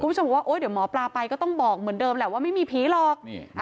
คุณผู้ชมบอกว่าโอ๊ยเดี๋ยวหมอปลาไปก็ต้องบอกเหมือนเดิมแหละว่าไม่มีผีหรอก